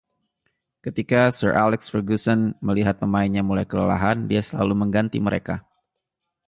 Ketika Sir Alex Ferguson melihat pemainnya mulai kelelahan, dia selalu mengganti mereka.